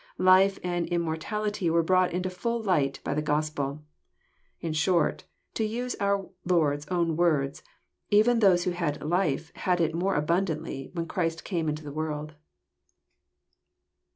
Life and immortality were brought into full light by the Gospel. In short, to use our Lord's own words, even those who had life had it *' more abundantly," when Christ came into the world.